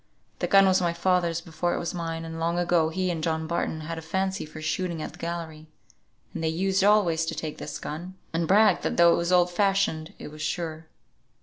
The gun was my father's before it was mine, and long ago he and John Barton had a fancy for shooting at the gallery; and they used always to take this gun, and brag that though it was old fashioned it was sure."